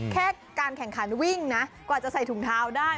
แค่การแข่งขันวิ่งนะกว่าจะใส่ถุงเท้าได้